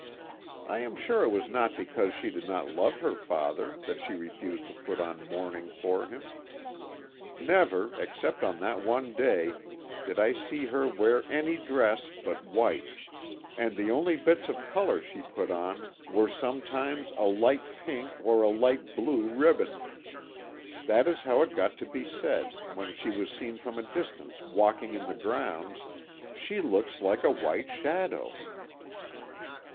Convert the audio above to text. "I am sure it was not because she did not love her father that she refused to put on mourning for him. Never, except on that one day, did I see her wear any dress but white, and the only bits of colour she put on were sometimes a light pink or a light blue ribbon. That is how it got to be said, when she was seen from a distance walking in the grounds: "'She looks like a white shadow.'